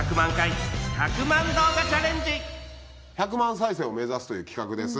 １００万回再生を目指すという企画です。